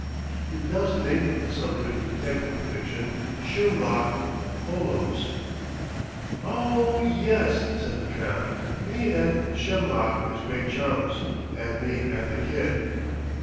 He pronounced the name of the celebrated detective of fiction "Shermlock Hol lums." "Oh, yes," said the tramp, "me and Shermlock is great chums. And me and the kid!"